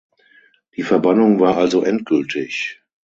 Die Verbannung war also endgültig.